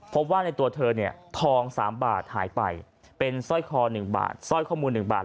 พบว่าในตัวเธอเนี่ยทอง๓บาทหายไปเป็นสร้อยคอ๑บาทสร้อยข้อมือ๑บาท